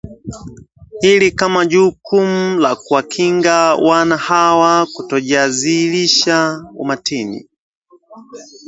hili kama jukumu la kuwakinga wana hawa kutojiazirisha umatini